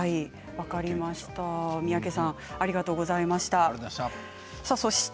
三宅さんありがとうございました。